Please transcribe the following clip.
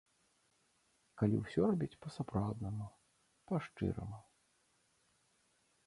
Калі ўсё рабіць па-сапраўднаму, па шчыраму.